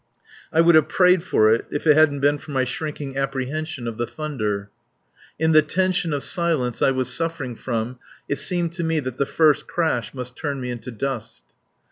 I would have prayed for it if it hadn't been for my shrinking apprehension of the thunder. In the tension of silence I was suffering from it seemed to me that the first crash must turn me into dust.